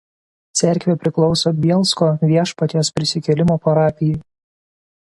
Cerkvė priklauso Bielsko Viešpaties Prisikėlimo parapijai.